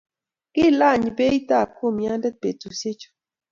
kilany beitab kumyande betushechu